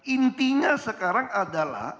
intinya sekarang adalah